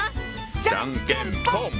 じゃんけんぽん！